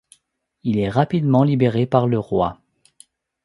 Il est rapidement libéré par le roi.